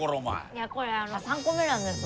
いやこれ３個目なんです。